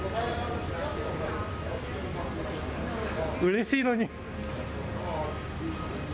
うれしいのに。